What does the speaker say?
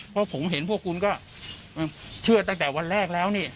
เพราะผมเห็นพวกคุณก็เชื่อตั้งแต่วันแรกแล้วนี่